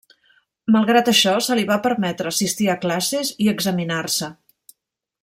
Malgrat això se li va permetre assistir a classes i examinar-se.